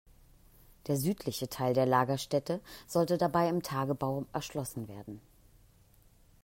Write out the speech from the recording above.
Der südliche Teil der Lagerstätte sollte dabei im Tagebau erschlossen werden.